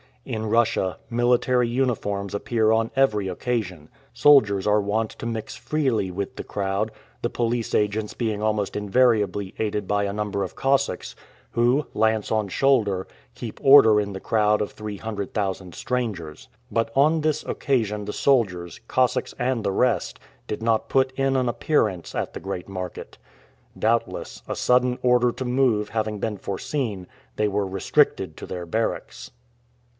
In Russia military uniforms appear on every occasion. Soldiers are wont to mix freely with the crowd, the police agents being almost invariably aided by a number of Cossacks, who, lance on shoulder, keep order in the crowd of three hundred thousand strangers. But on this occasion the soldiers, Cossacks and the rest, did not put in an appearance at the great market. Doubtless, a sudden order to move having been foreseen, they were restricted to their barracks.